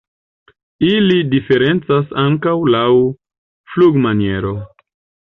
Ili diferencas ankaŭ laŭ flugmaniero.